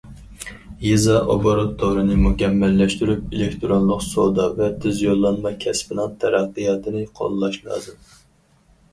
يېزا ئوبوروت تورىنى مۇكەممەللەشتۈرۈپ، ئېلېكتىرونلۇق سودا ۋە تېز يوللانما كەسپىنىڭ تەرەققىياتىنى قوللاش لازىم.